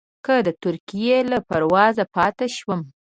که د ترکیې له پروازه پاتې شوم.